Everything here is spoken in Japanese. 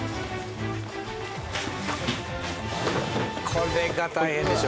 これが大変でしょ。